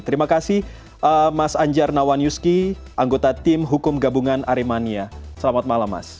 terima kasih mas anjar nawanyuski anggota tim hukum gabungan aremania selamat malam mas